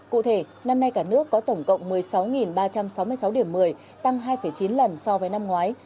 cụ thể năm nay cả nước có tổng cộng một mươi sáu ba trăm sáu mươi sáu điểm một mươi tăng hai chín lần so với năm ngoái